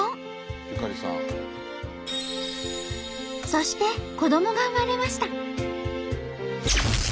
そして子どもが生まれました。